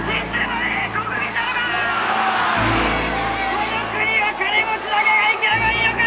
この国は金持ちだけが生きればいいのか！